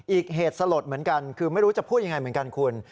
อีกเหตุสลดเหมือนกันคือไม่รู้จะพูดยังไงเหมือนกันคุณ